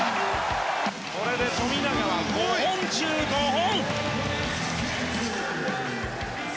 これで富永は５本中５本！